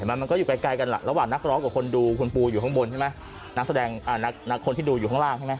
แต่มันก็อยู่ไกลกันระหว่างนักร้องกับคนดูคุณปูอยู่ข้างบนใช่ไหมนักแสดงนักคนที่ดูอยู่ข้างล่างใช่ไหม